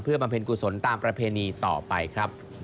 บำเพ็ญกุศลตามประเพณีต่อไปครับ